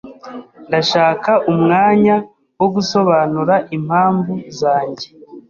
Ndashaka umwanya wo gusobanura impamvu zanjye.